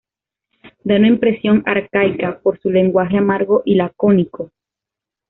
Da una impresión arcaica por su lenguaje amargo y lacónico.